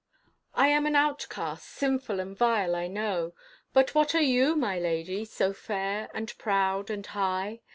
I am an outcast, sinful and vile I know, But what are you, my lady, so fair, and proud, and high?